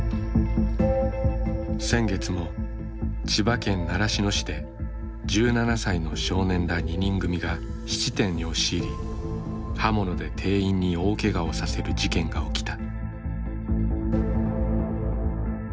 先月も千葉県習志野市で１７歳の少年ら２人組が質店に押し入り刃物で店員に大けがをさせる事件が起きた。